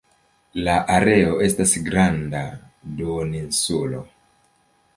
La areo estas granda duoninsulo.